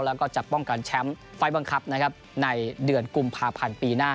แล้วก็จะป้องกันแชมป์ไฟล์บังคับนะครับในเดือนกุมภาพันธ์ปีหน้า